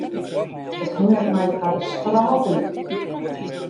It hinget my ta de strôt út.